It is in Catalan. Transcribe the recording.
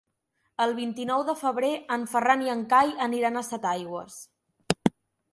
El vint-i-nou de febrer en Ferran i en Cai aniran a Setaigües.